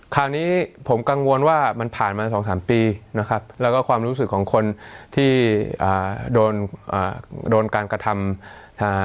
คราวนี้ผมกังวลว่ามันผ่านมา๒๓ปีแล้วก็ความรู้สึกของคนที่โดนการกระทำ